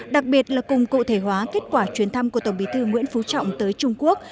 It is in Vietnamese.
đặc biệt là cùng cụ thể hóa kết quả chuyến thăm của tổng bí thư nguyễn phú trọng tới trung quốc